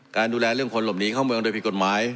การดูแลเรื่องคนหลบหนีเข้าเมืองโดยผิดกฎหมาย